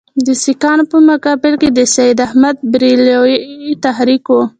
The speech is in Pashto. د سیکهانو په مقابل کې د سید احمدبرېلوي تحریک وو.